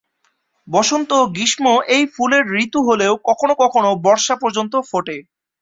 বসন্ত ও গ্রীষ্ম এই ফুলের ঋতু হলেও কখনো কখনো বর্ষা পর্যন্ত ফোটে।